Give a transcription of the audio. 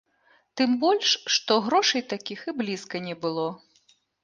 Тым больш, што грошай такіх і блізка не было.